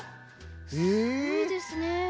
すごいですね。